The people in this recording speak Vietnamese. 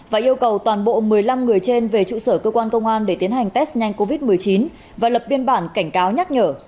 và yêu cầu toàn bộ một mươi năm người trên về trụ sở cơ quan công an để tiến hành test nhanh covid một mươi chín và lập biên bản cảnh cáo nhắc nhở